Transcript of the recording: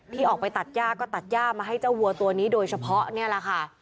ที่ออกไปตัดย่าก็ตัดย่ามาให้เจ้าวัวตัวนี้โดยเฉพาะนี่แหละค่ะ